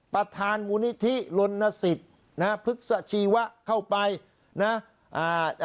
ประธานมูลนิธิลนสิทธิ์นะฮะพฤกษชีวะเข้าไปนะอ่า